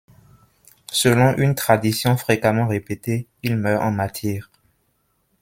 Selon une tradition fréquemment répétée, il meurt en martyr.